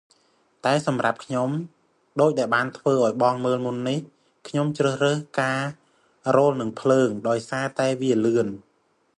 តែសម្រាប់ខ្ញុំ ដូចដែលបានធ្វើឱ្យបងមើលមុននេះ ខ្ញុំជ្រើសរើសការរោលនឹងភ្លើង ដោយសារតែវាលឿន។